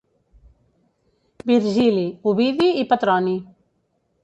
Virgili, Ovidi i Petroni.